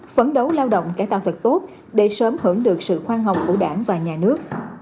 phấn đấu lao động cải tạo thật tốt để sớm hưởng được sự khoan hồng của đảng và nhà nước